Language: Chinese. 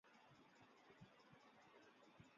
他在好莱坞星光大道拥有一颗自己的星形徽章。